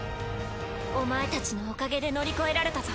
お前たちのおかげで乗り越えられたぞ。